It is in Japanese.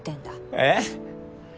えっ？